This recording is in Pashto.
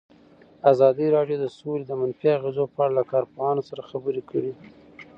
ازادي راډیو د سوله د منفي اغېزو په اړه له کارپوهانو سره خبرې کړي.